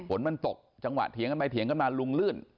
ฝนมันตกจังหวะเถียงกันไปเถียงกันมาลุงลื่น